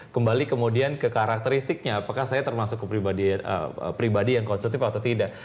kembali kemudian ke karakteristiknya apakah saya termasuk ke pribadi yang konstruktif atau tidak